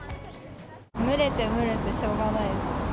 蒸れて蒸れてしょうがないです。